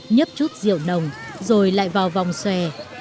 nhấp chút rượu nồng rồi lại vào vòng xòe